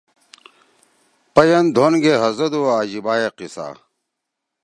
پَیَن دھون گے ہزَدُو عجیبائے قِصہ